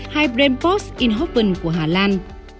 hay brainforce in hoffen của hà lan